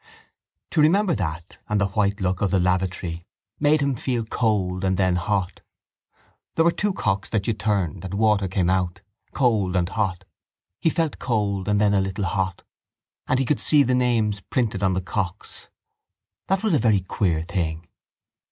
To remember that and the white look of the lavatory made him feel cold and then hot. There were two cocks that you turned and water came out: cold and hot. He felt cold and then a little hot: and he could see the names printed on the cocks. That was a very queer thing.